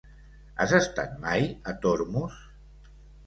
Has estat mai a Tormos?